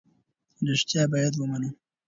رښتیا باید ومنو.